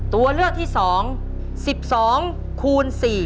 ตัวเลือกที่๒๑๒คูณ๔